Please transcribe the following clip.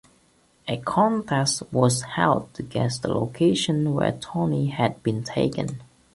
A contest was held to guess the location where Tony had been taken.